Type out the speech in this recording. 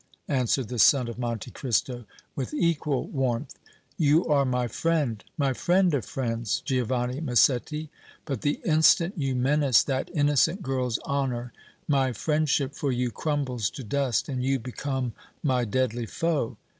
answered the son of Monte Cristo, with equal warmth. "You are my friend, my friend of friends, Giovanni Massetti, but the instant you menace that innocent girl's honor my friendship for you crumbles to dust and you become my deadly foe!